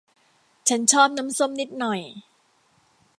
ฉันชอบน้ำส้มนิดหน่อย